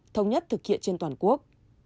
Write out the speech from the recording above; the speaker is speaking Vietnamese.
thực hiện trên toàn quốc